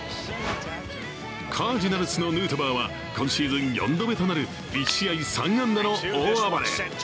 カージナルスのヌートバーは今シーズン４度目となる１試合３安打の大暴れ。